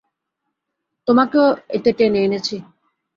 তোমাকেও এতে টেনে এনেছি।